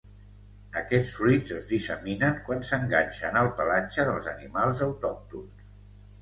Aquests fruits es disseminen quan s'enganxen al pelatge dels animals autòctons.